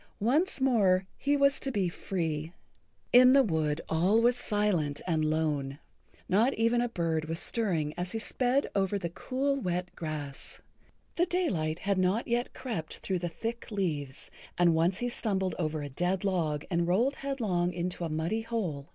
Once more he was to be free. In the wood all was silent and lone. Not even a bird was stirring as he sped over the cool, wet grass. The daylight had not yet crept through the thick leaves, and once he stumbled over a dead log and rolled headlong into a muddy hole.